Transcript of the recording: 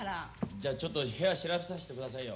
・じゃちょっと部屋調べさせて下さいよ。